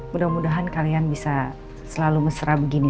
mudah mudahan kalian bisa selalu mesra begini